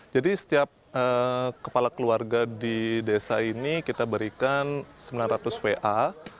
setiap kepala keluarga di desa ini kita berikan sembilan ratus va